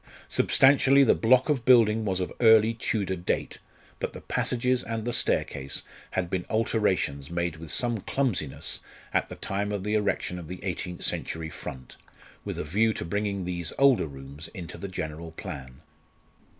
Substantially the block of building was of early Tudor date, but the passages and the staircase had been alterations made with some clumsiness at the time of the erection of the eighteenth century front, with a view to bringing these older rooms into the general plan.